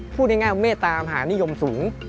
พูดง่ายเมตตามหานิยมสูง